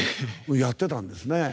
やってたんですね。